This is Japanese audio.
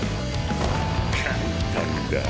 簡単だ。